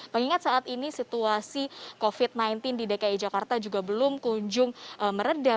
mengingat saat ini situasi covid sembilan belas di dki jakarta juga belum kunjung meredah